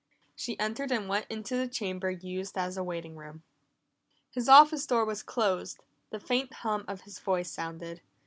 She entered and went into the chamber used as waiting room. His office door was closed; the faint hum of his voice sounded.